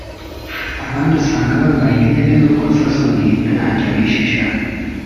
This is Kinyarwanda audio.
abandi usanga bambaye imyenda y’urukozasoni ntacyo bishisha